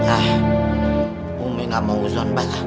ah umi gak mau usah mbah